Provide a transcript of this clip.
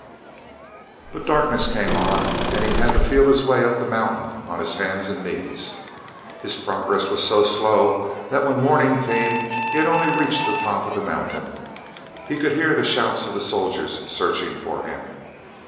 But darkness came on and he had to feel his way up the mountain on his hands and knees. His progress was so slow that when morning came he had only reached the top of the mountain. He could hear the shouts of the soldiers searching for him.